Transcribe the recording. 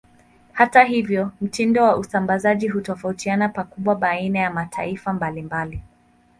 Hata hivyo, mtindo wa usambazaji hutofautiana pakubwa baina ya mataifa mbalimbali.